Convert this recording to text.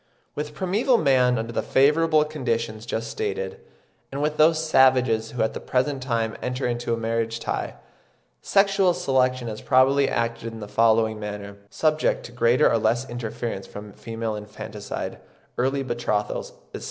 With primeval man under the favourable conditions just stated, and with those savages who at the present time enter into any marriage tie, sexual selection has probably acted in the following manner, subject to greater or less interference from female infanticide, early betrothals, etc.